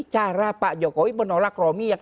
cara pak jokowi menolak romi yang